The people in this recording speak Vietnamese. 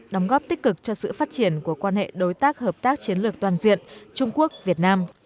đóng góp tích cực cho sự phát triển của quan hệ đối tác hợp tác chiến lược toàn diện trung quốc việt nam